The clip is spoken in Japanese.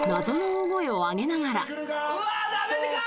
謎の大声を上げながら。